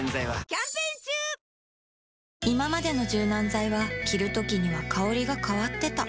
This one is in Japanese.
いままでの柔軟剤は着るときには香りが変わってた